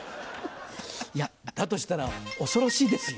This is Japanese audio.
いやだとしたら恐ろしいですよ。